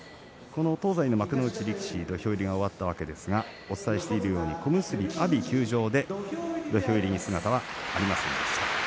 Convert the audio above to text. この東西の幕内力士土俵入りが終わったわけですがお伝えしているように小結、阿炎休場で土俵に姿はありません。